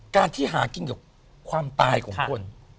การที่หากินกับความตายของคน